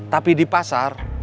tapi di pasar